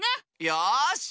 よし。